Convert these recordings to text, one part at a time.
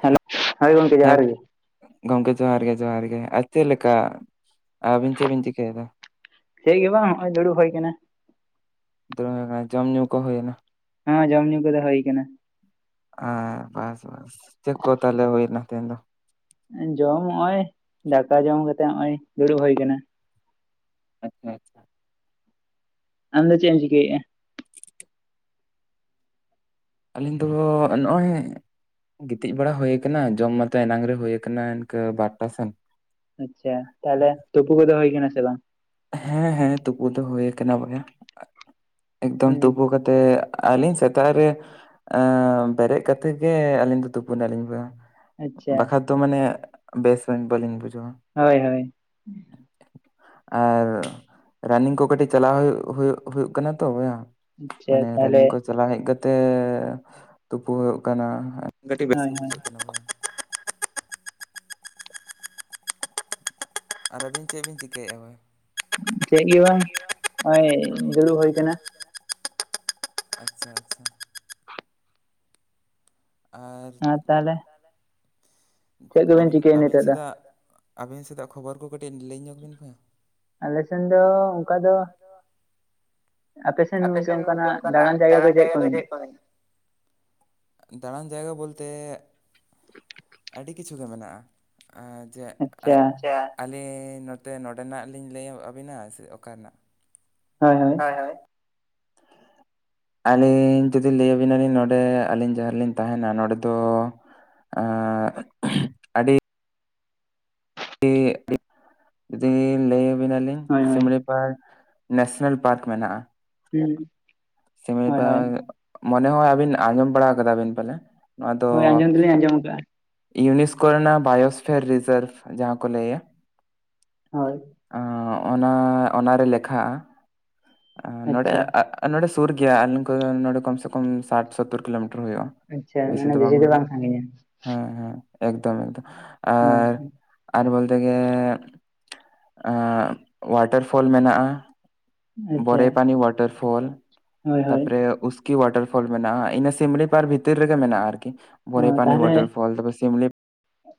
Hello ᱦᱳᱭ ᱜᱚᱢᱠᱮ ᱦᱮᱸ ᱡᱚᱦᱟᱨ ᱜᱮ ᱜᱚᱝᱠᱮ ᱡᱚᱦᱟᱨ ᱜᱮ ᱡᱚᱦᱟᱨ ᱜᱮ ᱟᱨ ᱪᱮᱫ ᱞᱮᱠᱟ ᱟᱹᱵᱤᱱ ᱪᱮᱫ ᱵᱤᱱ ᱪᱤᱠᱟᱹᱭᱮᱫᱟ? ᱪᱮᱫ ᱜᱮ ᱵᱟᱝ ᱱᱚ-ᱚᱭ ᱫᱩᱲᱩᱵ ᱦᱳᱭ ᱠᱟᱱᱟ ᱫᱩᱲᱩᱵ ᱟᱠᱟᱱᱟ ᱡᱚᱢ ᱧᱩ ᱠᱚ ᱦᱳᱭᱮᱱᱟ ᱦᱮᱸ ᱡᱚᱢ ᱧᱩ ᱠᱚᱫᱚ ᱦᱚᱭ ᱟᱠᱟᱱᱟ। ᱟ ᱵᱟᱥ ᱵᱟᱥ ᱪᱮᱫᱠᱚ ᱛᱟᱞᱦᱮ ᱦᱩᱭᱱᱟ ᱛᱮᱦᱮᱧ- ᱫᱚ? ᱡᱚᱢ ᱱᱚᱜᱼᱚᱭ ᱫᱟᱠᱟ ᱡᱚᱢ ᱠᱟᱛᱮᱜ ᱱᱚᱼᱚᱭ ᱫᱩᱲᱩᱵ ᱦᱳᱭ ᱟᱠᱟᱱᱟ ᱟᱪᱪᱷᱟ ᱟᱪᱪᱷᱟ ᱟᱢ ᱫᱚ ᱪᱮᱫ ᱮᱢ ᱪᱤᱠᱟᱹᱭᱮᱫᱼᱟ? ᱟᱹᱞᱤᱧ ᱫᱚ ᱱᱚᱜ-ᱚᱭ ᱜᱤᱛᱤᱡ ᱵᱟᱲᱟ ᱦᱳᱭ ᱟᱠᱟᱱᱟ ᱡᱚᱢ ᱢᱟᱛᱚ ᱮᱱᱟᱝ ᱨᱮ ᱦᱳᱭ ᱠᱟᱱᱟ ᱤᱱᱠᱟᱹ ᱵᱟᱨᱚᱴᱟ ᱥᱮᱱ ᱟᱪᱪᱷᱟ ᱛᱟᱦᱚᱞᱮ ᱛᱩᱯᱩ ᱠᱚᱫᱚ ᱦᱩᱭ ᱠᱟᱱᱟ ᱥᱮ ᱵᱟᱝ? ᱦᱮᱸ ᱦᱮᱸ ᱛᱩᱯᱩ ᱫᱚ ᱦᱩᱭ ᱟᱠᱟᱱᱟ ᱵᱚᱞᱮ ᱮᱠᱫᱚᱢ ᱦᱩᱸ ᱛᱩᱯᱩ ᱠᱟᱛᱮ ᱛᱮ ᱟᱹᱞᱤᱧ ᱥᱮᱛᱟᱜ ᱨᱮᱼᱼ ᱮ ᱵᱮᱨᱮᱫ ᱠᱟᱛᱮᱫ ᱜᱮ ᱟᱹᱞᱤᱧ ᱫᱚ ᱛᱩᱯᱩᱱᱟᱞᱤᱧ ᱵᱮ ᱟᱪᱪᱷᱟ ᱵᱟᱠᱷᱟᱡ ᱫᱚ ᱢᱟᱱᱮ ᱵᱮᱥ ᱵᱟᱹᱞᱤᱧ ᱵᱩᱡᱷᱟᱹᱣᱟ ᱦᱳᱭ ᱦᱳᱭ ᱟᱨ ᱨᱟᱱᱤᱝ ᱠᱚ ᱠᱟᱹᱴᱤᱡ ᱪᱟᱞᱟᱣ ᱦᱩᱭᱩᱜ ᱦᱩᱭᱩᱜ ᱠᱟᱱᱟ ᱛᱚ ᱵᱚᱭᱦᱟ ᱟᱪᱪᱷᱟ ᱢᱟᱱᱮ ᱛᱟᱦᱚᱞᱮ ᱨᱟᱱᱤᱝ ᱠᱚ ᱪᱟᱞᱟᱣ ᱦᱮᱡ ᱠᱟᱛᱮᱜ ᱛᱩᱯᱩ ᱦᱩᱭᱩᱜ ᱠᱟᱱᱟ ᱠᱟᱹᱴᱤᱡ ᱵᱮᱥ ᱦᱳᱭ ᱜᱮ ᱦᱳᱭ ᱵᱩᱡᱷᱟᱹᱜ ᱠᱟᱱᱟ ᱵᱚᱭᱦᱟ ᱟᱨ ᱟᱹᱵᱤᱱ ᱪᱮᱫ ᱵᱤᱱ ᱪᱤᱠᱟᱹᱭᱮᱫ-ᱟ ᱵᱮᱱ ᱪᱮᱫ ᱜᱮ ᱵᱟᱝ ᱱᱚ-ᱚᱭ ᱫᱩᱨᱩᱵ ᱦᱩᱭ ᱠᱟᱱᱟ ᱟᱪᱪᱷᱟ ᱟᱪᱪᱷᱟ ᱟᱨ ᱟᱨ ᱛᱟᱦᱚᱞᱮ ᱪᱮᱫ ᱠᱚᱵᱮᱱ ᱟᱹᱵᱤᱱ ᱪᱤᱠᱟᱹᱭᱟ ᱟᱹᱵᱤᱱ ᱱᱤᱛᱚᱜ ᱫᱚ ᱥᱮᱫᱟᱜ ᱟᱹᱵᱤᱱ ᱥᱮᱫᱟᱜ ᱠᱷᱚᱵᱚᱨ ᱠᱚ ᱠᱟᱹᱴᱤᱡ ᱞᱟᱹᱭ ᱧᱚᱜᱽ ᱵᱤᱱ ᱵᱚᱭᱦᱟ ᱟᱞᱮᱥᱮᱱ ᱫᱚ ᱚᱝᱠᱟ ᱫᱚ ᱟᱯᱮ ᱥᱮᱱ ᱜᱮ ᱚᱝᱠᱟᱱᱟᱜ ᱫᱟᱬᱟᱱ ᱡᱟᱭᱜᱟ ᱠᱚ ᱪᱮᱫ ᱠᱚ ᱢᱮᱱᱟ ᱫᱟᱬᱟᱱ ᱡᱟᱭᱜᱟ ᱵᱚᱞᱛᱮ ᱟᱹᱰᱤ ᱠᱤᱪᱷᱩᱜᱮ ᱢᱮᱱᱟᱜ-ᱟ ᱡᱮ ᱟᱪᱪᱷᱟ ᱟᱹᱞᱤᱧ ᱱᱚᱛᱮ ᱱᱚᱰᱮᱱᱟᱜ ᱞᱤᱧ ᱞᱟᱹᱭ ᱟᱹᱵᱤᱱᱟ ᱥᱮ ᱚᱠᱟᱨᱮᱱᱟᱜ ᱦᱳᱭ ᱦᱳᱭ [unintelligible] ᱟᱹᱞᱤᱧ ᱡᱩᱫᱤ ᱞᱟᱹᱭᱟᱵᱤᱱᱟᱞᱤᱧ ᱱᱚᱰᱮ ᱟᱹᱞᱤᱧ ᱡᱟᱦᱟᱸ ᱨᱮᱞᱤᱧ ᱛᱟᱦᱮᱱᱟ ᱱᱚᱰᱮ ᱫᱚ ᱮᱸ [unintelligible] ᱡᱩᱫᱤ ᱞᱟᱹᱭᱟᱵᱤᱱᱟᱞᱤᱧ ᱦᱳᱭ ᱦᱳᱭ ᱥᱤᱢᱲᱤ ᱱᱮᱥᱱᱮᱞ ᱯᱟᱨᱠ ᱢᱮᱱᱟᱜᱼᱟ ᱦᱩᱸ [unintelligible] ᱢᱚᱱᱮ ᱦᱚᱭ ᱟᱹᱵᱤᱱ ᱟᱸᱡᱚᱢ ᱵᱟᱲᱟ ᱠᱟᱫᱟ ᱵᱤᱱ ᱯᱟᱞᱮ ᱱᱚᱣᱟ ᱫᱚ ᱦᱳᱭ ᱟᱸᱡᱚᱢ ᱫᱚᱞᱤᱧ ᱟᱸᱡᱚᱢ ᱟᱠᱟᱜᱼᱟ ᱤᱭᱩᱱᱤᱥᱠᱳ ᱨᱮᱱᱟᱜ ᱵᱟᱭᱳᱥᱯᱷᱮᱨ ᱨᱤᱡᱟᱨᱵᱷ ᱡᱟᱦᱟᱸ ᱠᱚ ᱞᱟᱹᱭᱟ ᱦᱳᱭ ᱚᱱᱟ ᱚᱱᱟᱨᱮ ᱞᱮᱠᱷᱟᱜᱼᱟ ᱱᱚᱸᱰᱮ ᱟᱪᱪᱷᱟ ᱱᱚᱸᱰᱮ ᱥᱩᱨ ᱜᱮᱭᱟ ᱟᱞᱤᱧ ᱠᱷᱚᱱ ᱱᱚᱰᱮ ᱠᱚᱢ ᱥᱮ ᱠᱚᱢ ᱥᱟᱴ ᱥᱳᱛᱳᱚᱨ ᱠᱤᱞᱳᱢᱤᱴᱟᱨ ᱦᱩᱭᱩᱜᱼᱟ ᱟᱪᱪᱷᱟ ᱢᱟᱱᱮ ᱵᱤᱥᱤ ᱫᱚ ᱵᱟᱝ ᱥᱟᱺᱜᱤᱧᱟ ᱦᱮᱸ ᱦᱮᱸ ᱮᱠᱫᱚᱢ ᱮᱠᱫᱚᱢ ᱦᱳᱭ ᱟᱨ ᱟᱨ ᱵᱚᱞᱛᱮ ᱜᱮ ᱚᱣᱟᱴᱟᱨᱯᱷᱚᱞ ᱢᱮᱱᱟᱜᱼᱟ ᱟᱪᱪᱷᱟ ᱵᱚᱨᱮ ᱯᱟᱱᱤ ᱣᱟᱴᱟᱨᱯᱷᱚᱞ ᱦᱳᱭ ᱦᱳᱭ ᱛᱟᱯᱚᱨ ᱩᱥ ᱠᱤ ᱚᱳᱣᱟᱴᱟᱨ ᱯᱷᱚᱞ ᱢᱮᱱᱟᱜᱼᱟ ᱤᱱᱟᱹ ᱥᱤᱢᱲᱤ ᱯᱟᱨᱠ ᱵᱷᱤᱛᱤᱨ ᱨᱮᱜᱮ ᱢᱮᱱᱟᱜᱼᱟ ᱟᱨᱠᱤ ᱚ ᱵᱚᱨᱮ ᱯᱟᱱᱤ ᱛᱟᱦᱚᱞᱮ ᱚᱣᱟᱴᱟᱨ ᱯᱷᱚᱞ ᱛᱟᱯᱚᱨ ᱥᱤᱢᱞᱤ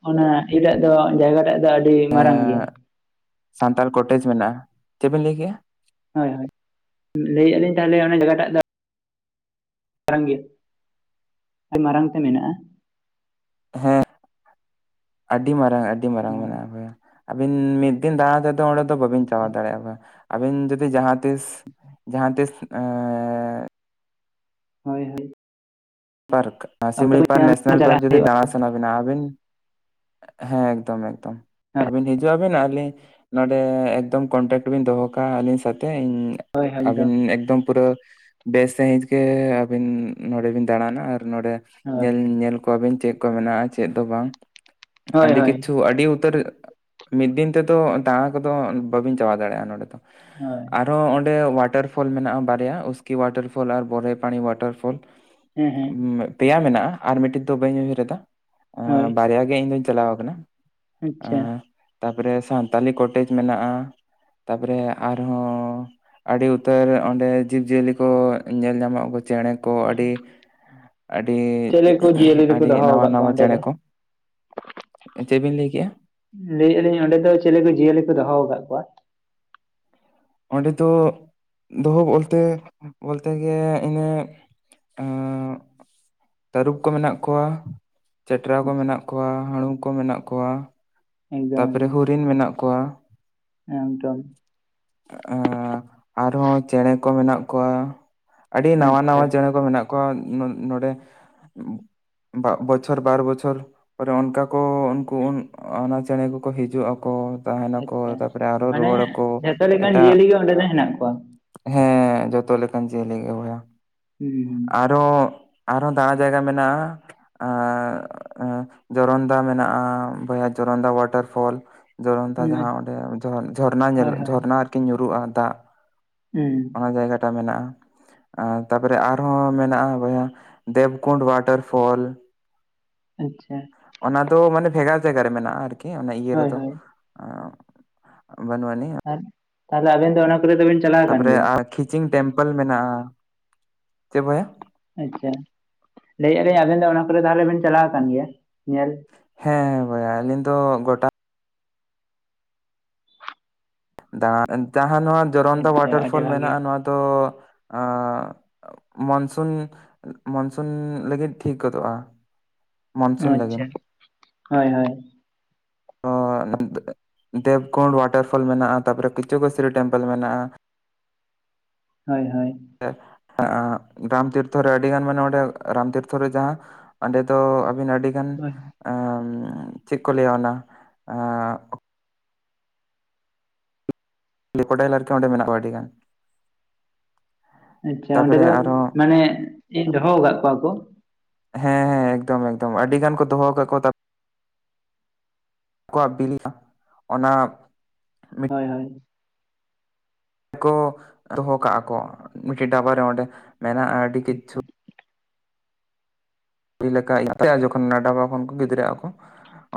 ᱚᱱᱟ ᱮᱴᱟᱜ ᱫᱚ ᱡᱟᱭᱜᱟ ᱴᱟᱜ ᱫᱚ ᱟᱹᱰᱤ ᱢᱟᱨᱟᱝ ᱜᱮᱭᱟ ᱥᱟᱱᱛᱟᱲ ᱠᱚᱴᱮᱡᱽ ᱢᱮᱱᱟᱜᱼᱟ ᱪᱮᱫ ᱵᱮᱱ ᱞᱟᱹᱭ ᱠᱮᱟ ᱦᱳᱭ ᱦᱳᱭ ᱞᱟᱹᱭᱟᱜ ᱞᱤᱧ ᱛᱟᱦᱚᱞᱮ ᱚᱱᱟ ᱡᱟᱭᱜᱟᱴᱟᱜ ᱫᱚ ᱢᱟᱨᱟᱝ ᱜᱮ ᱟᱹᱰᱤ ᱢᱟᱨᱟᱝ ᱛᱮ ᱢᱮᱱᱟᱜᱼᱟ ᱦᱮᱸ ᱟᱹᱰᱤ ᱢᱟᱨᱟᱝ ᱟᱹᱰᱤ ᱢᱟᱨᱟᱝ ᱦᱳᱭ ᱢᱮᱱᱟᱜᱼᱟ ᱵᱚᱭᱦᱟ ᱟᱹᱵᱤᱱ ᱢᱤᱫ ᱫᱤᱱ ᱫᱟᱟᱲᱟ ᱛᱮᱫᱚ ᱚᱸᱰᱮ ᱫᱚ ᱵᱟᱵᱤᱱ ᱪᱟᱵᱟ ᱫᱟᱲᱮᱭᱟᱜᱼᱟ ᱟᱵᱤᱱ ᱡᱩᱫᱤ ᱡᱟᱦᱟᱸ ᱛᱤᱥ ᱡᱟᱦᱟᱸ ᱛᱤᱥ ᱦᱳᱭ ᱦᱳᱭ ᱯᱟᱨᱠ ᱚᱠᱛᱚ ᱥᱤᱢᱲᱤ ᱠᱚ ᱯᱟᱨᱠ ᱧᱟᱢ ᱱᱮᱥᱱᱮᱞ ᱞᱮᱠᱷᱟᱱ ᱯᱟᱨᱠ ᱪᱟᱞᱟᱜ ᱡᱩᱫᱤ ᱦᱩᱭᱩᱜᱼᱟ ᱫᱟᱬᱟ ᱥᱟᱱᱟ ᱵᱤᱱᱟ ᱟᱹᱵᱤᱱ ᱦᱮᱸ ᱮᱠᱫᱚᱢ ᱮᱠᱫᱚᱢ ᱦᱳᱭ ᱟᱹᱵᱤᱱ ᱦᱤᱡᱩᱜ ᱟᱵᱤᱱ ᱟᱞᱤᱧ ᱱᱚᱰᱮ ᱮᱠᱫᱚᱢ ᱠᱚᱱᱴᱟᱠᱴ ᱵᱮᱱ ᱫᱚᱦᱚ ᱠᱟᱜᱼᱟ ᱟᱹᱞᱤᱧ ᱥᱟᱛᱮᱜ ᱤᱧ ᱦᱳᱭ ᱦᱳᱭ ᱮᱠᱫᱚᱢ ᱟᱹᱵᱤᱱ ᱮᱠᱫᱚᱢ ᱯᱩᱨᱟᱹ ᱵᱮᱥ ᱥᱺᱦᱤᱡ ᱜᱮ ᱟᱹᱵᱤᱱ ᱱᱚᱰᱮ ᱵᱤᱱ ᱫᱟᱟᱲᱟᱱᱟ ᱟᱨ ᱱᱚᱰᱮ ᱦᱳᱭ ᱧᱮᱞ ᱧᱮᱞ ᱠᱚᱣᱟᱵᱤᱱ ᱪᱮᱫ ᱢᱮᱱᱟᱜᱼᱟ ᱪᱮᱫ ᱫᱚ ᱵᱟᱝ ᱦᱳᱭ ᱟᱹᱰᱤ ᱦᱳᱭ ᱠᱤᱪᱷᱩ ᱟᱹᱰᱤ ᱩᱛᱟᱹᱨ ᱢᱤᱫ ᱫᱤᱱ ᱛᱮᱫᱚ ᱫᱟᱬᱟ ᱠᱚᱫᱚ ᱵᱟᱹᱵᱤᱱ ᱪᱟᱵᱟᱣ ᱫᱟᱲᱮᱭᱟᱜᱼᱟ ᱱᱚᱸᱰᱮ ᱫᱚ ᱦᱳᱭ ᱟᱨᱦᱚᱸ ᱚᱸᱰᱮ ᱚᱣᱟᱴᱟᱨ ᱯᱷᱚᱞ ᱢᱮᱱᱟᱜᱼᱟ ᱵᱟᱨᱭᱟ ᱩᱥᱠᱤ ᱣᱟᱴᱟᱨ ᱯᱷᱚᱞ ᱟᱨ ᱵᱚᱨᱦᱮ ᱯᱟᱱᱤ ᱳᱣᱟᱴᱟᱨ ᱯᱷᱚᱞ ᱾ ᱦᱮᱸ ᱦᱮᱸ ᱯᱮᱭᱟ ᱢᱮᱱᱟᱜᱼᱟ ᱟᱨ ᱢᱤᱫᱴᱤᱡ ᱫᱚ ᱵᱟᱹᱧ ᱩᱭᱦᱟᱹᱨ ᱮᱫᱟ ᱾ ᱦᱳᱭ ᱾ ᱵᱟᱨᱭᱟ ᱜᱮ ᱤᱧ ᱫᱩᱧ ᱪᱟᱞᱟᱣ ᱠᱟᱱᱟ ᱾ ᱟᱪᱪᱷᱟ ᱾ ᱛᱟᱯᱚᱨᱮ ᱥᱟᱱᱛᱟᱞᱤ ᱠᱚᱴᱮᱡᱽ ᱢᱮᱱᱟᱜᱼᱟ ᱛᱟᱯᱚᱨᱮ ᱟᱨᱦᱚᱸ ᱟᱹᱰᱤ ᱩᱛᱟᱹᱨ ᱚᱸᱰᱮ ᱡᱤᱵᱽᱼᱡᱤᱭᱟᱹᱞᱤ ᱠᱚ ᱧᱮᱞ ᱧᱟᱢᱚᱜ ᱠᱚ ᱪᱮᱬᱮ ᱠᱚ ᱟᱹᱰᱤ ᱟᱹᱰᱤ ᱪᱮᱞᱮ ᱠᱚ ᱡᱤᱭᱟᱹᱞᱤ ᱫᱚᱠᱚ ᱟᱹᱰᱤ ᱫᱚᱦᱚ ᱱᱟᱣᱟ ᱟᱠᱟᱫ ᱠᱚᱣᱟ ᱱᱟᱣᱟ ᱚᱸᱰᱮ ᱪᱮᱬᱮ ᱫᱚ ᱠᱚ, ᱪᱮᱫ ᱵᱤᱱ ᱞᱟᱹᱭ ᱠᱮᱫᱼᱟ? ᱞᱟᱹᱭᱮ ᱟᱹᱞᱤᱧ ᱚᱸᱰᱮ ᱫᱚ ᱪᱮᱞᱮ ᱠᱚ ᱡᱤᱭᱟᱹᱞᱤ ᱠᱚ ᱫᱚᱦᱚ ᱟᱠᱟᱫ ᱠᱚᱣᱟ? ᱚᱸᱰᱮ ᱫᱚ ᱫᱚᱦᱚ ᱵᱚᱞᱛᱮ ᱵᱚᱞᱛᱮ ᱜᱮ ᱤᱱᱟᱹ ᱟᱨ ᱛᱟᱹᱨᱩᱵ ᱠᱚ ᱢᱮᱱᱟᱜ ᱠᱚᱣᱟ ᱾ ᱪᱮᱴᱨᱟ ᱠᱚ ᱟᱪᱪᱷᱟ ᱢᱮᱱᱟᱜ ᱠᱚᱣᱟ ᱦᱟᱹᱲᱩ ᱠᱚ ᱢᱮᱱᱟᱜ ᱠᱚᱣᱟ ᱾ ᱮᱠᱫᱚᱢ ᱮᱠᱫᱚᱢ ᱾ ᱦᱚᱨᱤᱱ ᱢᱮᱱᱟᱜ ᱠᱚᱣᱟ, ᱮᱠᱫᱚᱢ ᱟᱸ ᱟᱨᱦᱚᱸ ᱪᱮᱬᱮ ᱠᱚ ᱢᱮᱱᱟᱜ ᱠᱚᱣᱟ ᱾ ᱟᱹᱰᱤ ᱱᱟᱣᱟ ᱟᱪᱪᱷᱟ ᱱᱟᱣᱟ ᱪᱮᱬᱮᱸ ᱠᱚ ᱢᱮᱱᱟᱜ ᱠᱚᱣᱟ ᱱᱚᱸᱰᱮ ᱾ ᱵᱚᱪᱷᱚᱨ ᱵᱟᱨ ᱵᱚᱪᱷᱚᱨ ᱯᱚᱨᱮ ᱚᱱᱠᱟ ᱠᱚ ᱩᱱᱠᱩ ᱚᱱᱟ ᱪᱮᱬᱮᱸ ᱠᱚᱠᱚ ᱦᱤᱡᱩᱜ ᱟᱠᱚ, ᱛᱟᱦᱮᱱ ᱟᱠᱚ ᱟᱪᱪᱷᱟ ᱛᱟᱨᱯᱚᱨᱮ ᱟᱨᱚ ᱢᱟᱱᱮ ᱨᱩᱣᱟᱹᱲ ᱟᱠᱚ ᱡᱷᱚᱛᱚ ᱞᱮᱠᱟᱱ ᱮᱴᱟᱜ ᱡᱤᱭᱟᱹᱞᱤ ᱜᱮ ᱚᱸᱰᱮ ᱫᱚ ᱦᱮᱱᱟᱜ ᱠᱚᱣᱟ ᱦᱮᱸ ᱡᱚᱛᱚ ᱞᱮᱠᱟᱱ ᱡᱤᱭᱟᱹᱞᱤ ᱜᱮ ᱵᱚᱭᱦᱟ ᱾ ᱦᱩᱸ ᱦᱩᱸ ᱛᱚ ᱟᱨᱦᱚᱸ ᱫᱟᱬᱟ ᱡᱟᱭᱜᱟ ᱢᱮᱱᱟᱜᱼᱟ ᱾ ᱟᱨ ᱡᱚᱨᱚᱱᱫᱟ ᱢᱮᱱᱟᱜᱼᱟ ᱵᱚᱭᱦᱟ ᱡᱚᱨᱚᱱᱫᱟ ᱚᱣᱟ ᱚᱣᱟᱴᱟᱨ ᱯᱷᱚᱞ ᱡᱚᱨᱚᱱᱛᱟ ᱦᱩᱸ ᱟᱪ ᱡᱟᱦᱟᱸ ᱚᱸᱰᱮ ᱡᱷᱚᱨᱱᱟ ᱦᱳᱭ ᱧᱮᱞᱚᱜ ᱦᱳᱭ ᱡᱷᱚᱨᱱᱟ ᱟᱨᱠᱤ ᱧᱩᱨᱩᱜᱼᱟ ᱫᱟᱜ ᱾ ᱦᱩᱸ ᱚᱱᱟ ᱡᱟᱭᱜᱟᱴᱟᱜ ᱢᱮᱱᱟᱜᱼᱟ ᱾ ᱟᱨ ᱛᱟᱯᱚᱨᱮ ᱟᱨᱦᱚᱸ ᱢᱮᱱᱟᱜᱼᱟ ᱵᱚᱭᱦᱟ ᱫᱮᱵᱽᱠᱩᱱᱰ ᱚᱣᱟᱴᱟᱨ ᱯᱷᱚᱞ ᱾ ᱟᱪᱪᱷᱟ ᱾ ᱚᱱᱟ ᱫᱚ ᱢᱟᱱᱮ ᱵᱷᱮᱜᱟᱨ ᱡᱟᱭᱜᱟ ᱨᱮ ᱢᱮᱱᱟᱜᱼᱟ ᱟᱨᱠᱤ ᱚᱱᱟ ᱤᱭᱟᱹ ᱦᱳᱭ ᱨᱮᱫᱚ ᱦᱳᱭ ᱵᱟᱹᱱᱩᱜ ᱟᱹᱱᱤᱡ ᱾ ᱟᱨ ᱛᱟᱦᱚᱞᱮ ᱟᱵᱤᱱ ᱫᱚ ᱚᱱᱟ ᱠᱚᱨᱮ ᱫᱚᱵᱤᱱ ᱛᱟᱯᱚᱨᱮ ᱠᱷᱤᱪᱤᱝ ᱴᱮᱢᱯᱮᱞ ᱢᱮᱱᱟᱜᱼᱟ ᱾ ᱪᱮᱫ ᱵᱚᱭᱦᱟ? ᱟᱪᱪᱷᱟ ᱾ ᱞᱟᱹᱭᱮᱜ ᱟᱞᱤᱧ ᱟᱵᱮᱱ ᱫᱚ ᱚᱱᱟ ᱠᱚᱨᱮ ᱛᱟᱦᱚᱞᱮ ᱵᱮᱱ ᱪᱟᱞᱟᱣ ᱟᱠᱟᱱ ᱜᱮᱭᱟ ᱧᱮᱞ? ᱦᱮᱸ ᱵᱚᱭᱦᱟ ᱟᱹᱞᱤᱧ ᱫᱚ ᱜᱚᱴᱟ ᱡᱟᱦᱟᱸ ᱱᱚᱣᱟ ᱡᱚᱨᱚᱱᱫᱟ ᱟᱪᱪᱷᱟ ᱚᱣᱟᱴᱟᱨ ᱟᱹᱰᱤ ᱯᱷᱚᱞ ᱵᱷᱟᱜᱮ ᱢᱮᱱᱟᱜᱼᱟ ᱱᱚᱣᱟ ᱫᱚ ᱢᱚᱱᱥᱩᱱ ᱢᱚᱱᱥᱩᱱ ᱞᱟᱹᱜᱤᱫ ᱴᱷᱤᱠ ᱜᱚᱫᱚᱜᱼᱟ ᱾ ᱟᱪᱪᱷᱟ, ᱦᱳᱭ ᱦᱳᱭ ᱾ ᱫᱮᱵᱽᱠᱩᱱᱰ ᱚᱣᱟᱴᱟᱨ ᱯᱷᱚᱞ ᱢᱮᱱᱟᱜᱼᱟ, ᱛᱟᱯᱚᱨᱮ ᱠᱤᱪᱩᱜᱩᱥᱨᱤ ᱴᱮᱢᱯᱮᱞ ᱢᱮᱱᱟᱜᱼᱟ ᱾ ᱦᱳᱭ ᱦᱳᱭ ᱾ [unintelligible] ᱨᱟᱢ ᱛᱤᱨᱛᱷᱚ ᱨᱮ ᱟᱹᱰᱤ ᱜᱟᱱ ᱢᱟᱱᱮ ᱚᱸᱰᱮ ᱨᱟᱢ ᱛᱤᱨᱛᱷᱚ ᱨᱮ ᱡᱟᱦᱟ ᱚᱸᱰᱮ ᱫᱚ ᱟᱹᱵᱤᱱ ᱟᱹᱰᱤ ᱴᱷᱮᱱ ᱦᱳᱭ ᱮᱸ ᱪᱮᱫ ᱠᱚ ᱞᱟᱹᱭᱟ ᱚᱱᱟ ᱟᱸ ᱠᱨᱳᱠᱳᱰᱟᱭᱤᱞ ᱠᱚ ᱚᱸᱰᱮ ᱢᱮᱱᱟᱜ ᱠᱚᱣᱟ ᱟᱹᱰᱤ ᱜᱟᱱ ᱾ ᱟᱪᱪᱷᱟ ᱚᱸᱰᱮ ᱛᱟᱯᱚᱨᱮ ᱫᱚ ᱟᱨᱦᱚᱸ ᱢᱟᱱᱮ [unintelligible] ᱫᱚᱦᱚ ᱠᱟᱫ ᱠᱚᱣᱟ ᱠᱚ? ᱦᱮᱸ ᱦᱮᱸ ᱮᱠᱫᱚᱢ ᱮᱠᱫᱚᱢ ᱟᱹᱰᱤ ᱜᱟᱱ ᱠᱚ ᱫᱚᱦᱚ ᱠᱟᱜ ᱠᱚ ᱛᱟ ᱠᱚᱣᱟᱜ ᱵᱤᱞᱤ ᱚᱱᱟ ᱢᱤᱫᱴᱮᱱ ᱦᱳᱭ ᱦᱳᱭ᱾ ᱠᱚ ᱫᱚᱦᱚ ᱠᱟᱜᱼᱟ ᱠᱚ, ᱢᱤᱫᱴᱮᱱ ᱰᱟᱵᱟᱨᱮ ᱚᱸᱰᱮ ᱢᱮᱱᱟᱜᱼᱟ ᱟᱹᱰᱤ ᱠᱤᱪᱷᱩ ᱟᱪᱪᱷᱟ ᱡᱮ ᱞᱮᱠᱟ [unintelligible] ᱡᱚᱠᱷᱚᱱ ᱚᱱᱟ ᱵᱟᱵᱟ ᱠᱚ ᱜᱤᱫᱽᱨᱟᱹ ᱟᱠᱚ ᱾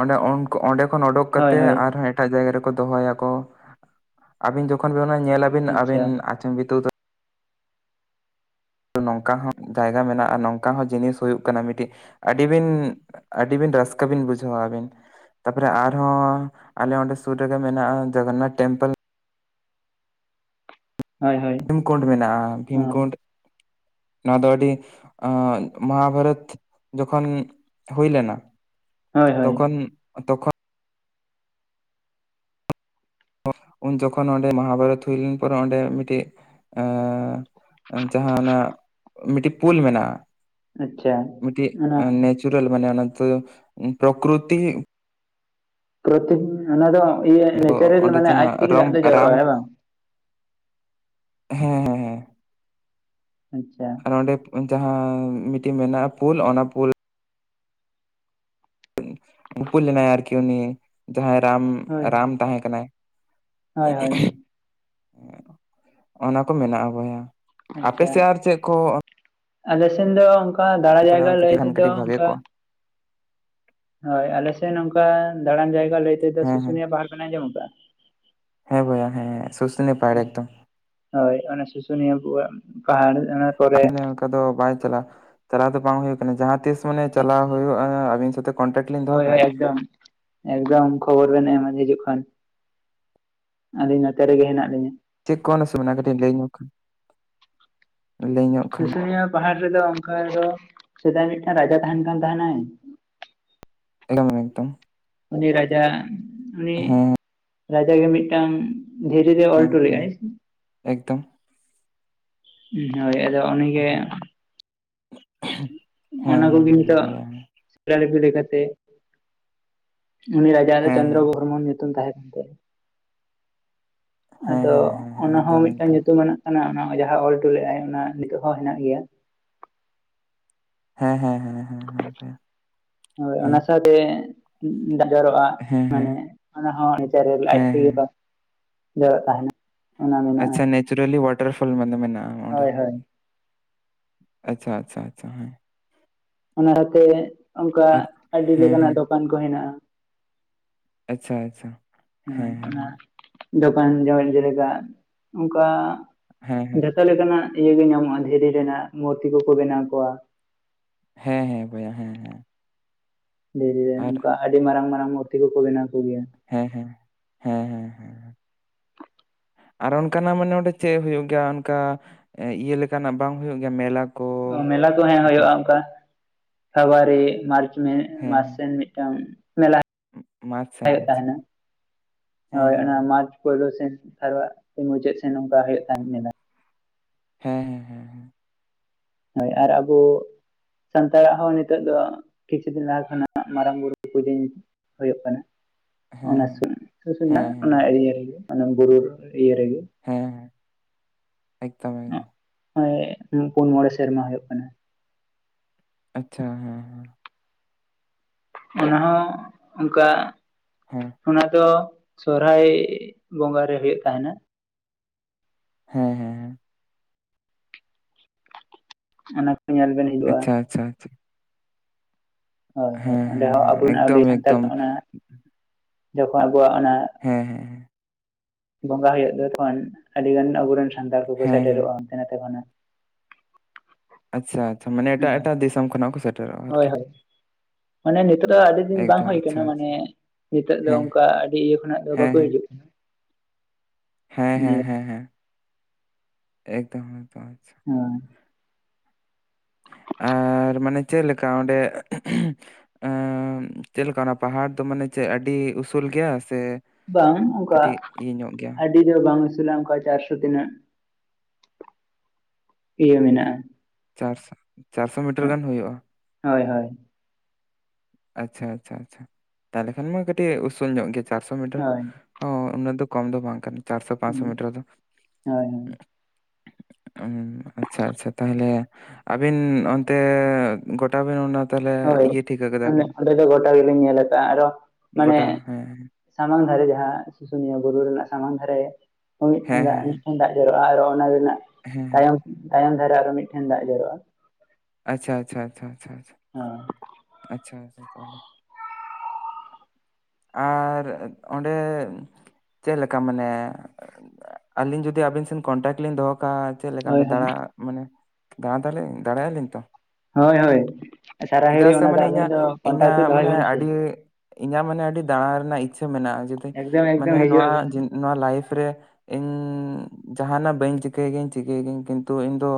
ᱚᱸᱰᱮ ᱚᱱᱠᱚ ᱚᱸᱰᱮ ᱠᱷᱚᱱ ᱚᱰᱚᱠ ᱦᱳᱭ ᱠᱟᱛᱮᱜ ᱦᱳᱭ ᱟᱨᱦᱚᱸ ᱮᱴᱟᱜ ᱡᱟᱭᱜᱟ ᱨᱮᱠᱚ ᱫᱚᱦᱚᱭᱟᱠᱚ ᱟᱹᱵᱤᱱ ᱡᱚᱠᱷᱚᱱ ᱧᱮᱞᱟᱵᱤᱱ ᱟᱪᱪᱷᱟ ᱟᱹᱵᱤᱱ ᱟᱪᱚᱢ ᱵᱤᱛᱟᱹᱨ ᱱᱚᱝᱠᱟ ᱦᱚᱸ ᱡᱟᱭᱜᱟ ᱢᱮᱱᱟᱜᱼᱟ ᱱᱚᱝᱠᱟ ᱦᱚᱸ ᱡᱤᱱᱤᱥ ᱦᱩᱭᱩᱜ ᱠᱟᱱᱟ ᱢᱤᱫᱴᱤᱡ ᱟᱹᱰᱤᱵᱤᱱ ᱟᱹᱰᱤᱵᱤᱱ ᱨᱟᱹᱥᱠᱟᱹ ᱵᱤᱱ ᱵᱩᱡᱷᱟᱹᱣᱟ ᱟᱹᱵᱤᱱ ᱾ ᱛᱟᱯᱚᱨᱮ ᱟᱨᱦᱚᱸ ᱟᱞᱮ ᱚᱸᱰᱮ ᱥᱩᱨ ᱨᱮᱜᱮ ᱢᱮᱱᱟᱜᱼᱟ ᱡᱚᱜᱚᱱᱱᱟᱛᱷ ᱴᱮᱢᱯᱮᱞ ᱾ ᱦᱳᱭ ᱦᱳᱭ ᱵᱷᱤᱢᱠᱩᱸᱰ ᱢᱮᱱᱟᱜᱼᱟ, ᱦᱳᱭ ᱵᱷᱤᱢᱠᱩᱸᱰ ᱱᱚᱣᱟ ᱫᱚ ᱟᱹᱰᱤ ᱢᱚᱦᱟᱵᱟᱨᱚᱛ ᱡᱚᱠᱷᱚᱱ ᱦᱩᱭᱞᱱᱟ ᱦᱳᱭ ᱦᱳᱭ ᱛᱚᱠᱷᱚᱱ ᱛᱚᱠᱷᱚᱱ ᱩᱱ ᱡᱚᱠᱷᱚᱱ ᱚᱸᱰᱮ ᱢᱚᱦᱟᱵᱟᱨᱚᱛ ᱦᱩᱭᱞᱱ ᱯᱚᱨᱮ ᱚᱸᱰᱮ ᱢᱤᱫᱴᱤᱡ ᱮᱸ ᱡᱟᱦᱟᱸ ᱚᱱᱟᱜ ᱢᱤᱫᱴᱤᱡ ᱯᱩᱞ ᱢᱮᱱᱟᱜᱼᱟ, ᱟᱪᱪᱷᱟ ᱢᱤᱫᱴᱤᱡ ᱚᱱᱟ ᱱᱮᱪᱩᱨᱟᱞ ᱢᱟᱱᱮ ᱚᱱᱟ ᱛᱚ ᱯᱨᱚᱠᱩᱛᱤ ᱯᱨᱚᱛᱤᱫᱤᱱ ᱚᱱᱟ ᱫᱚ ᱤᱭᱟᱹ ᱱᱮᱪᱟᱨᱮᱞ ᱚᱸᱰᱮ ᱢᱟᱱᱮ ᱟᱡ ᱡᱟᱦᱟᱸ ᱛᱮᱜᱮ ᱨᱟᱢ ᱫᱟᱜ ᱫᱚ ᱨᱟᱢ ᱡᱚᱨᱚᱜᱼᱟ ᱦᱮᱸ ᱵᱟᱝ? ᱦᱮᱸ ᱦᱮᱸ ᱦᱮᱸ᱾ ᱟᱪᱪᱷᱟ ᱟᱨ ᱱᱚᱸᱰᱮ ᱡᱟᱦᱟᱸ ᱢᱤᱫᱴᱮᱱ ᱢᱮᱱᱟᱜᱼᱟ ᱯᱩᱞ ᱚᱱᱟ ᱯᱩᱞ ᱩᱯᱟᱹᱞ ᱞᱮᱱᱟᱭ ᱟᱨᱠᱤ ᱩᱱᱤ ᱡᱟᱦᱟᱸᱭ ᱨᱟᱢ ᱦᱳᱭ ᱨᱟᱢ ᱛᱟᱦᱮᱸ ᱠᱟᱱᱟᱭ ᱾ ᱦᱳᱭ ᱦᱳᱭ ᱚᱱᱟ ᱠᱚ ᱢᱮᱱᱟᱜᱼᱟ ᱵᱚᱭᱦᱟ ᱾ ᱟᱪᱪᱷᱟ, ᱟᱞᱮ ᱥᱮᱱ ᱫᱚ ᱚᱱᱠᱟ ᱫᱟᱬᱟ ᱡᱟᱭᱜᱟ ᱞᱟᱹᱭ ᱠᱟᱹᱴᱤᱡ ᱠᱷᱟᱱ ᱛᱮᱫᱚ ᱠᱟᱹᱴᱤᱡ ᱵᱷᱟᱜᱮ ᱚᱱᱠᱟ ᱠᱚᱜᱼᱟ ᱦᱳᱭ ᱟᱞᱮᱥᱮᱱ ᱱᱚᱝᱠᱟ ᱫᱟᱬᱟᱱ ᱡᱟᱭᱜᱟ ᱞᱟᱹᱭ ᱛᱮᱫᱚ ᱦᱮᱸ ᱦᱮᱸ ᱥᱩᱥᱩᱱᱤᱭᱟᱹ ᱯᱟᱦᱟᱲ ᱵᱮᱱ ᱟᱸᱡᱚᱢ ᱠᱟᱜᱼᱟ? ᱦᱮᱸ ᱵᱚᱭᱟ ᱦᱮᱸ ᱥᱩᱥᱱᱤ ᱯᱟᱦᱟᱲ ᱮᱫᱚᱢ᱾ ᱦᱳᱭ ᱚᱱᱟ ᱥᱩᱥᱩᱱᱤᱭᱟᱹ ᱯᱟᱦᱟᱲ ᱚᱱᱟ ᱠᱚᱨᱮ ᱟᱞᱮ ᱚᱱᱠᱟ ᱫᱚ ᱵᱟᱭ ᱪᱟᱞᱟᱜᱼᱟ ᱪᱟᱞᱟᱣ ᱫᱚ ᱵᱟᱝ ᱦᱩᱭᱩᱜ ᱠᱟᱱᱟ ᱡᱟᱦᱟᱸ ᱛᱤᱥ ᱢᱟᱱᱮ ᱪᱟᱞᱟᱣ ᱟᱪᱪᱷᱟ ᱦᱩᱭᱩᱜᱼᱟ ᱟᱵᱤᱱ ᱥᱟᱛᱮ ᱠᱚᱱᱴᱟᱠᱴ ᱞᱤᱧ ᱫᱚᱦᱚ ᱦᱳᱭ ᱦᱳᱭ ᱠᱟᱜᱼᱟ ᱮᱠᱫᱚᱢ ᱮᱠᱫᱚᱢ ᱠᱷᱚᱵᱚᱨ ᱵᱮᱱ ᱮᱢᱟ ᱦᱤᱡᱩᱜ ᱠᱷᱟᱱ᱾ ᱟᱹᱞᱤᱧ ᱱᱚᱛᱮ ᱨᱮᱜᱮ ᱦᱮᱸᱱᱟᱜ ᱞᱤᱧᱟ᱾ ᱪᱮᱫ ᱠᱚ ᱥᱩᱚᱢᱚᱭ ᱚᱱᱟ ᱠᱟᱹᱴᱤᱡ ᱞᱟᱹᱭ ᱧᱚᱜ ᱠᱷᱟᱱ, ᱞᱟᱹᱭ ᱧᱚᱜ ᱠᱷᱟᱱ ᱥᱩᱥᱩᱱᱤᱭᱟᱹ ᱯᱟᱦᱟᱲ ᱨᱮᱫᱚ ᱚᱝᱠᱟ ᱫᱚ ᱥᱮᱫᱟᱭ ᱢᱤᱫᱴᱟᱝ ᱨᱟᱡᱟ ᱛᱟᱦᱮᱱ ᱠᱟᱱ ᱛᱟᱦᱮᱱᱟᱭ ᱮᱠᱫᱚᱢ ᱮᱠᱫᱚᱢ᱾ ᱩᱱᱤ ᱨᱟᱡᱟ ᱩᱱᱤ ᱦᱮᱸ ᱨᱟᱡᱟᱭᱤᱡ ᱢᱤᱫᱴᱟᱝ ᱫᱷᱤᱨᱤ ᱮᱭᱮᱭ ᱦᱮᱸ ᱚᱞᱦᱚᱴᱩ ᱦᱮᱸ ᱞᱮᱜᱼᱟᱭ᱾ ᱮᱠᱫᱚᱢ᱾ ᱦᱳᱭ ᱟᱫᱚ ᱩᱱᱤᱜᱮ ᱦᱮᱸ ᱦᱮᱸ ᱚᱱᱟ ᱠᱚᱜᱮ ᱦᱮᱸ ᱱᱤᱛᱚᱜ ᱵᱚᱭᱦᱟ ᱦᱮᱸ ᱥᱤᱞᱟᱤᱯᱤ ᱞᱮᱠᱟᱛᱮ ᱩᱱᱤ ᱨᱟᱡᱟ ᱫᱚ ᱦᱮᱸ ᱪᱫᱨ ᱦᱮᱸ ᱜᱳᱨ ᱢᱳᱦᱚᱱ ᱧᱩᱛᱩᱢ ᱛᱟᱦᱮᱸ ᱠᱟᱱ ᱛᱟᱭᱟ᱾ ᱦᱮᱸ ᱟᱫᱚ ᱦᱮᱸ ᱦᱮᱸ ᱚᱱᱟ ᱦᱚᱸ ᱮᱠᱫᱚᱢ ᱢᱤᱫᱴᱟᱝ ᱮᱠᱫᱚᱢ ᱧᱩᱢᱟᱱᱟᱜ ᱠᱟᱱᱟ ᱚᱱᱟ ᱡᱟᱦᱟᱸ ᱚᱞ ᱦᱚᱴᱚ ᱞᱮᱜ ᱟᱭ ᱚᱱᱟ ᱱᱤᱛᱚᱜ ᱦᱚᱸ ᱦᱮᱱᱟᱜ ᱜᱮᱭᱟ᱾ ᱦᱮᱸ ᱦᱮᱸ ᱦᱮᱸ ᱦᱮᱸ ᱦᱮᱸ ᱵᱚᱭᱦᱟ᱾ ᱦᱳᱭ ᱚᱱᱟ ᱦᱮᱸ ᱥᱟᱶᱛᱮ [inaudible] ᱡᱚᱨᱚᱜᱼᱟ, ᱦᱮᱸ ᱦᱮᱸ ᱢᱟᱱᱮ ᱚᱱᱟ ᱦᱚᱸ ᱱᱤᱡᱮ ᱨᱮ ᱦᱮᱸ ᱦᱮᱸ [unintelligible] ᱡᱚᱨᱚᱜ ᱛᱟᱦᱮᱸᱱᱟ᱾ ᱟᱪᱪᱷᱟ ᱱᱮᱪᱚᱨᱟᱞᱤ ᱚᱳᱣᱟᱴᱟᱨ ᱯᱷᱚᱞ ᱢᱟᱱᱮ ᱢᱮᱱᱟᱜᱼᱟ ᱚᱸᱰᱮ᱾ ᱦᱳᱭ ᱦᱳᱭ ᱟᱪᱪᱷᱟ ᱟᱪᱪᱷᱟ ᱟᱪᱪᱷᱟ ᱦᱮᱸ᱾ ᱚᱱᱟ ᱛᱮ ᱚᱝᱠᱟ ᱟᱨ ᱟᱹᱰᱤ ᱦᱮᱸ ᱞᱮᱠᱟᱱᱟᱜ ᱦᱮᱸ ᱫᱚᱠᱟᱱ ᱠᱚ ᱦᱮᱱᱟᱜᱼᱟ᱾ ᱟᱪᱪᱷᱟ ᱟᱪᱪᱷᱟ᱾ ᱦᱳᱭ ᱦᱮᱸ ᱚᱱᱟ, ᱫᱚᱠᱟᱱ [inaudible] ᱡᱮᱞᱮᱠᱟ ᱚᱝᱠᱟ ᱦᱮᱸ ᱦᱮᱸ ᱡᱷᱚᱛᱚ ᱞᱮᱠᱟᱱᱟᱜ ᱤᱭᱟᱹ ᱜᱮ ᱧᱟᱢᱚᱜᱼᱟ ᱫᱷᱤᱨᱤ ᱨᱮᱱᱟᱜ ᱢᱩᱨᱛᱤ ᱠᱚᱠᱚ ᱵᱮᱱᱟᱣ ᱠᱚᱣᱟ, ᱦᱮᱸ ᱦᱮᱸ ᱵᱚᱭᱦᱟ ᱦᱮᱸ ᱦᱮᱸ᱾ ᱫᱷᱤᱨᱤ ᱨᱮᱱ ᱟᱨ ᱱᱚᱝᱠᱟ ᱟᱹᱰᱤ ᱢᱟᱨᱟᱝ ᱢᱟᱨᱟᱝ ᱢᱩᱨᱛᱤ ᱠᱚᱠᱚ ᱵᱮᱱᱟᱣ ᱠᱚ ᱜᱮᱭᱟ᱾ ᱦᱮᱸ ᱦᱮᱸ, ᱦᱮᱸ ᱦᱮᱸ ᱦᱮᱸ᱾ ᱟᱨ ᱚᱱᱠᱟᱱᱟᱜ ᱢᱟᱱᱮ ᱚᱸᱰᱮ ᱪᱮᱜ ᱦᱩᱭᱩᱜ ᱜᱮᱭᱟ ᱚᱱᱠᱟ, ᱮᱸ ᱤᱭᱟᱹ ᱞᱮᱠᱟᱱᱟᱜ ᱵᱟᱝ ᱦᱩᱭᱩᱜ ᱜᱮᱭᱟ ᱢᱮᱞᱟ? ᱠᱚ ᱚ ᱢᱮᱞᱟ ᱠᱚ ᱦᱮᱸ ᱚᱱᱟ ᱦᱩᱭᱩᱜᱼᱟ ᱵᱟᱠᱷᱟᱡ ᱚᱝᱠᱟ, ᱯᱷᱮᱵᱩᱣᱟᱨᱤ, ᱢᱟᱨᱪ ᱚᱱᱮ ᱦᱮᱸ ᱢᱟᱥ ᱦᱮᱸ ᱨᱮᱱ ᱢᱤᱫᱴᱟᱝ ᱢᱮᱞᱟ ᱢᱟᱪ ᱥᱮᱱ ᱦᱳᱭᱳᱜ ᱟᱪᱪᱷᱟ ᱛᱟᱦᱮᱸᱱᱟ, ᱦᱮᱸ ᱦᱳᱭ ᱚᱱᱟ ᱦᱮᱸ ᱢᱟᱨᱪ ᱯᱳᱭᱞᱳ ᱥᱮᱱ ᱛᱟᱨ ᱵᱟ ᱢᱩᱪᱟᱹᱫ ᱥᱮᱱ ᱚᱝᱠᱟ ᱦᱩᱭᱩᱜ ᱛᱟᱦᱮᱸᱱ ᱢᱮᱞᱟ᱾ ᱦᱮᱸ ᱦᱮᱸ ᱦᱮᱸ ᱦᱮᱸ᱾ ᱦᱳᱭ ᱟᱨ ᱟᱵᱚ ᱥᱟᱱᱛᱟᱲᱟᱜ ᱦᱚᱸ ᱱᱤᱛᱚᱜ ᱫᱚ, ᱠᱤᱪᱷᱩ ᱫᱤᱱ ᱞᱟᱦᱟ ᱠᱷᱚᱱᱟᱜ ᱢᱟᱨᱟᱝ ᱵᱩᱨᱩ ᱯᱩᱡᱟᱹ ᱦᱩᱭᱩᱜ ᱠᱟᱱᱟ᱾ ᱦᱮᱸ ᱦᱮᱸ ᱚᱱᱟ ᱥᱩ, ᱦᱮᱸ ᱥᱩᱥᱩᱱᱤᱭᱟ ᱦᱮᱸ ᱚᱱᱟ ᱤᱨᱤᱭᱟᱹ ᱨᱮᱜᱮ ᱢᱟᱱᱮ ᱵᱩᱨᱩ ᱤᱭᱟᱹ ᱨᱮᱜᱮ᱾ ᱦᱮᱸ ᱦᱮᱸ, ᱮᱠᱫᱚᱢ ᱮᱠᱫᱚᱢ᱾ ᱦᱳᱭ ᱯᱩᱱ ᱢᱚᱬᱮ ᱥᱮᱨᱢᱟ ᱦᱩᱭᱩᱜ ᱠᱟᱱᱟ᱾ ᱟᱪᱪᱷᱟ ᱦᱮᱸ ᱦᱮᱸ᱾ ᱚᱱᱟ ᱦᱚᱸ ᱚᱱᱠᱟ, ᱦᱮᱸ ᱚᱱᱟ ᱫᱚ ᱥᱚᱨᱦᱟᱭ ᱵᱚᱸᱜᱟ ᱨᱮ ᱦᱩᱭᱩᱜ ᱛᱟᱦᱮᱸᱱᱟ, ᱦᱮᱸ ᱦᱮᱸ᱾ ᱚᱱᱟ ᱠᱚ ᱧᱮᱞ [inaudible] ᱟᱪᱪᱷᱟ ᱟᱪᱪᱷᱟ ᱟᱪᱪᱷᱟ ᱾ ᱦᱳᱭ ᱦᱳᱭ ᱚᱸᱰᱮ ᱦᱮᱸ ᱦᱚᱸ ᱦᱮᱸ ᱟᱵᱚᱱᱟᱜ ᱚᱸᱰᱮ ᱮᱠᱫᱚᱢ ᱥᱟᱱᱛᱟᱲ ᱮᱠᱫᱚᱢ ᱚᱱᱟ, ᱡᱚᱠᱷᱚᱱ ᱟᱵᱚᱣᱟᱜ ᱚᱱᱟ ᱦᱮᱸ ᱦᱮᱸ ᱦᱮᱸ᱾ ᱵᱚᱸᱜᱟ ᱦᱩᱭᱩᱜ ᱫᱚ ᱛᱚᱠᱷᱚᱱ, ᱟᱹᱰᱤ ᱜᱟᱱ ᱟᱵᱚ ᱨᱮᱱ ᱥᱟᱱᱛᱟᱲ ᱠᱚᱠᱚ ᱦᱮᱸ ᱦᱮᱸ ᱥᱮᱴᱮᱨᱚᱜᱼᱟ᱾ ᱠᱟᱱᱟ ᱛᱟᱵᱚᱱᱟ᱾ ᱟᱪᱪᱷᱟ ᱟᱪᱪᱷᱟ ᱢᱟᱱᱮ ᱮᱴᱟᱜ ᱮᱴᱟᱜ ᱫᱤᱥᱚᱢ ᱠᱷᱚᱱᱟᱜ ᱠᱚ ᱥᱮᱴᱮᱨᱚᱜᱼᱟ ᱟᱨ ᱦᱳᱭ ᱦᱳᱭ, ᱢᱟᱱᱮ ᱱᱤᱛᱚᱜ ᱫᱚ ᱟᱹᱰᱤ ᱫᱤᱱ ᱵᱟᱝ ᱮᱠᱫᱚᱢ ᱦᱳᱭ ᱟᱪᱪᱷᱟ ᱠᱟᱱᱟ ᱢᱟᱱᱮ ᱟᱪᱪᱷᱟ ᱱᱤᱛᱚᱜ ᱫᱚ ᱦᱮᱸ ᱚᱝᱠᱟ ᱟᱹᱰᱤ ᱤᱭᱟᱹ ᱠᱷᱚᱱᱟᱜ ᱫᱚ ᱦᱮᱸ ᱵᱟᱠᱚ ᱦᱮᱸ ᱦᱤᱡᱩᱜ ᱠᱟᱱᱟ, ᱦᱮᱸ ᱦᱮᱸ ᱱᱤᱭᱟᱹ ᱦᱮᱸ ᱦᱮᱸ, ᱮᱠᱫᱚᱢ ᱮᱠᱫᱚᱢ ᱟᱪᱪᱷᱟ᱾ ᱦᱚᱭ᱾ ᱟᱨ ᱢᱟᱱᱮ ᱪᱮᱫ ᱞᱮᱠᱟ ᱚᱸᱰᱮ ᱮᱸᱻ ᱪᱮᱫ ᱞᱮᱠᱟ ᱚᱱᱟ ᱯᱟᱦᱟᱲ ᱫᱚ ᱢᱟᱱᱮ ᱪᱮᱫ ᱟᱹᱰᱤ ᱩᱥᱩᱞ ᱜᱮᱭᱟ ᱥᱮ ᱵᱟᱝ ᱚᱝᱠᱟ ᱠᱟᱹᱴᱤᱡ ᱤᱭᱟᱹ ᱧᱚᱜ ᱜᱮᱭᱟ ᱟᱹ ᱰᱤ ᱫᱚ ᱵᱟᱝ ᱩᱥᱩᱞᱟ ᱚᱝᱠᱟ ᱪᱟᱨᱥᱚ ᱛᱤᱱᱟᱹᱜ, ᱤᱭᱟᱹ ᱢᱮᱱᱟᱜᱼᱟ᱾ ᱪᱟᱨᱥᱚ, ᱪᱟᱨᱥᱚ ᱢᱤᱴᱟᱨ ᱜᱟᱱ ᱦᱩᱭᱩᱜᱼᱟ? ᱦᱳᱭ ᱦᱳᱭ᱾ ᱟᱪᱪᱷᱟ ᱟᱪᱪᱷᱟ ᱟᱪᱪᱷᱟ, ᱛᱟᱦᱚᱞᱮ ᱠᱷᱟᱱ ᱢᱟ ᱠᱟᱹᱴᱤᱡ ᱩᱥᱩᱞ ᱧᱚᱜ ᱜᱮ ᱪᱟᱨᱥᱚ ᱢᱤᱴᱟᱨ, ᱦᱳᱭ ᱦᱚᱸ ᱩᱱᱟᱹᱜ ᱫᱚ ᱠᱚᱢ ᱫᱚ ᱵᱟᱝ ᱠᱟᱱᱟ ᱪᱟᱨᱥᱚ ᱯᱟᱸᱪᱥᱚ ᱢᱤᱴᱟᱨ ᱫᱚᱼᱼ ᱦᱳᱭ ᱦᱳᱭ ᱦᱩᱸ ᱟᱪᱪᱷᱟ ᱟᱪᱪᱷᱟ ᱛᱟᱦᱞᱮ ᱟᱵᱤᱱ ᱚᱱᱛᱮ ᱜᱚᱴᱟ ᱵᱤᱱ ᱚᱱᱟ ᱛᱟᱦᱚᱞᱮ ᱤᱭᱟᱹ ᱴᱷᱤᱠ ᱟᱠᱟᱫᱟ ᱟᱞᱮ ᱫᱚ ᱜᱚᱴᱟ ᱜᱮ ᱞᱤᱧ ᱧᱮᱞ ᱟᱠᱟᱫᱼᱟ ᱟᱫᱚ ᱢᱟᱱᱮᱼᱼ ᱜᱚᱴᱟ ᱦᱮᱸ ᱥᱟᱢᱟᱝ ᱫᱷᱟᱨᱮ ᱡᱟᱦᱟᱸ ᱥᱩᱥᱩᱱᱤᱭᱟᱹ ᱵᱩᱨᱩ ᱨᱮᱱᱟᱜ ᱥᱟᱢᱟᱝ ᱫᱷᱟᱨᱮ ᱦᱮᱸ ᱦᱮᱸ ᱦᱮᱸ ᱢᱤᱫ ᱴᱟᱱ [unintelligible] ᱡᱚᱨᱚᱜᱼᱟ ᱟᱨᱚ ᱚᱱᱟ ᱨᱮᱱᱟᱜ ᱦᱮᱸ ᱦᱮᱸ ᱛᱟᱭᱚᱢ ᱛᱟᱭᱚᱢ ᱫᱷᱟᱨᱮ ᱟᱨᱚ ᱢᱤᱫᱴᱷᱮᱱ ᱫᱟᱜ ᱡᱚᱨᱚᱜᱼᱟ ᱟᱪᱪᱷᱟ ᱟᱪᱪᱷᱟ ᱟᱪᱪᱷᱟ ᱟᱪᱪᱷᱟ ᱟᱪᱪᱷᱟ ᱟᱪᱪᱷᱟ ᱟᱪᱪᱷᱟ [unintelligible] ᱟᱨ ᱚᱸᱰᱮ ᱪᱮᱫ ᱞᱮᱠᱟ ᱢᱟᱱᱮᱼᱼ ᱟᱹᱞᱤᱧ ᱡᱩᱫᱤ ᱟᱵᱤᱱ ᱥᱮᱱ ᱠᱚᱱᱴᱟᱠᱴ ᱞᱤᱧ ᱫᱚᱦᱚ ᱠᱟᱜᱼᱟ ᱪᱮᱫ ᱞᱮᱠᱟ ᱦᱳᱭ ᱚᱸᱰᱮ ᱦᱳᱭ ᱫᱟᱬᱟ ᱢᱟᱱᱮ ᱫᱟᱬᱟ ᱫᱟᱬᱟᱭ ᱟᱞᱤᱧ ᱛᱚ ᱦᱳᱭ ᱦᱳᱭ ᱥᱟᱨᱟ ᱜᱷᱟᱲᱤ ᱪᱮᱫᱟᱜ ᱥᱮ ᱚᱱᱟ ᱫᱚ ᱢᱟᱱᱮ ᱟᱵᱮᱱ ᱤᱧᱟᱹᱜ ᱫᱚ ᱠᱚᱱᱴᱟᱠᱴ ᱤᱧᱟᱹᱜ ᱫᱚᱦᱚᱭ ᱢᱟᱱᱮ ᱵᱤᱱ ᱥᱮᱼᱼ ᱟᱹᱰᱤ ᱤᱧᱟᱹᱜ ᱢᱟᱱᱮ ᱟᱹᱰᱤ ᱫᱟᱸᱬᱟ ᱨᱮᱱᱟᱜ ᱤᱪᱪᱷᱟᱹ ᱢᱮᱱᱟᱜᱼᱟ ᱡᱩᱫᱤ ᱮᱠᱫᱚᱢ ᱢᱟᱱᱮ ᱮᱠᱫᱚᱢ ᱦᱤᱡᱩᱜ ᱱᱚᱣᱟ ᱟᱵᱮᱱ ᱱᱚᱣᱟ ᱞᱟᱭᱤᱯᱷ ᱨᱮᱼᱼ ᱤᱧ ᱡᱟᱦᱟᱱᱟᱜ ᱵᱟᱹᱧ ᱪᱤᱠᱟᱹᱭ ᱜᱮᱭᱟᱹᱧ ᱪᱤᱠᱟᱹᱭ ᱜᱮᱭᱟᱹᱧ ᱠᱤᱱᱛᱩ ᱤᱧ ᱫᱚᱼᱼ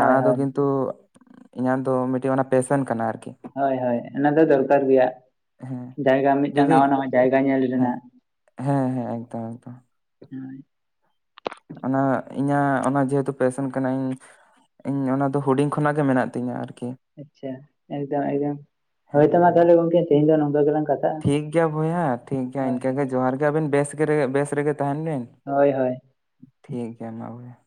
ᱦᱳᱭ ᱫᱚ ᱦᱳᱭ ᱠᱤᱱᱛᱩ ᱤᱧᱟᱹᱜ ᱫᱚ ᱢᱤᱫᱴᱤᱡ ᱚᱱᱟ ᱯᱮᱥᱮᱱ ᱠᱟᱱᱟ ᱟᱨᱠᱤ ᱦᱳᱭ ᱦᱳᱭ ᱚᱱᱟ ᱫᱚ ᱫᱚᱨᱠᱟᱨ ᱜᱮᱭᱟ ᱦᱮᱸ ᱡᱟᱭᱜᱟ ᱢᱤᱫᱴᱟᱝ ᱡᱩᱫᱤ ᱱᱟᱣᱟ ᱱᱟᱣᱟ ᱡᱟᱭᱜᱟ ᱧᱮᱞ ᱦᱮᱸ ᱨᱮᱱᱟᱜ ᱦᱮᱸ ᱦᱮᱸ ᱮᱠᱫᱚᱢ ᱮᱠᱫᱚᱢ ᱦᱳᱭ ᱚᱱᱟ ᱤᱧᱟᱹᱜ ᱚᱱᱟ ᱡᱮᱦᱮᱛᱩ ᱯᱮᱥᱮᱱ ᱠᱟᱱᱟ ᱤᱧᱼᱼ ᱤᱧ ᱚᱱᱟ ᱫᱚ ᱦᱩᱰᱤᱧ ᱠᱷᱚᱱᱟᱜ ᱜᱮ ᱢᱮᱱᱟᱜ ᱛᱤᱧᱟᱹ ᱟᱨᱠᱤ ᱟᱪᱪᱷᱟ ᱮᱠᱫᱚᱢ ᱮᱠᱫᱚᱢ ᱦᱮᱸ ᱦᱳᱭᱛᱚ ᱢᱟ ᱦᱮᱸ ᱛᱚᱞᱮ ᱜᱚᱢᱠᱮ ᱛᱮᱦᱮᱧ ᱫᱚ ᱱᱚᱝᱠᱟ ᱜᱮᱞᱟᱝ ᱠᱟᱛᱷᱟ ᱴᱷᱤᱠ ᱜᱮᱭᱟ ᱵᱚᱭᱦᱟ ᱴᱷᱤᱠ ᱜᱮᱭᱟ ᱤᱱᱠᱟᱹ ᱜᱮ ᱡᱚᱦᱟᱨ ᱜᱮ ᱟᱵᱤᱱ ᱵᱮᱥ ᱜᱮ ᱵᱮᱥ ᱨᱮᱜᱮ ᱛᱟᱦᱮᱱ ᱵᱤᱱ ᱦᱳᱭ ᱦᱳᱭ ᱴᱷᱤᱠ ᱜᱮᱭᱟ ᱢᱟ [unintelligible]